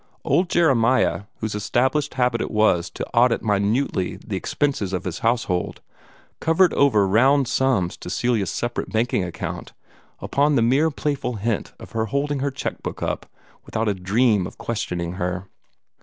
Old Jeremiah, whose established habit it was to audit minutely the expenses of his household, covered over round sums to Celia's separate banking account, upon the mere playful hint of her holding her check book up, without a dream of questioning her.